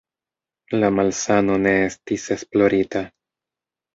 La malsano ne estis esplorita.